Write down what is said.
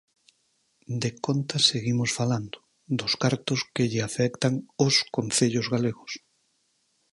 De contas seguimos falando, dos cartos que lle afectan os concellos galegos.